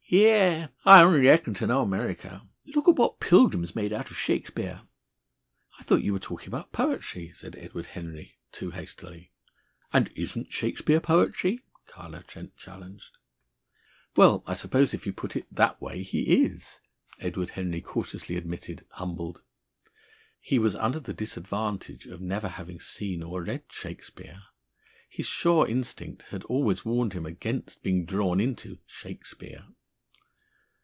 "Yes.... I only reckon to know America." "Look at what Pilgrim's made out of Shakespeare." "I thought you were talking about poetry," said Edward Henry too hastily. "And isn't Shakespeare poetry?" Carlo Trent challenged. "Well, I suppose if you put it in that way, he is!" Edward Henry cautiously admitted, humbled. He was under the disadvantage of never having seen or read "Shakespeare." His sure instinct had always warned him against being drawn into "Shakespeare."